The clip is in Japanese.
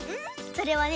それはね